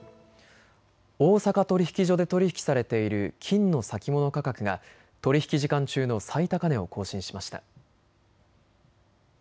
大阪取引所で取り引きされている金の先物価格が取り引き時間中の最高値を更新しました。